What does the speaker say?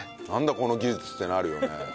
この技術ってなるよね。